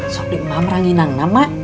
sori kamu yang beli ini